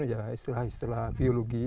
itu istilah istilah biologi